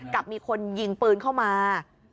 กับมีคนยิงปืนเข้ามา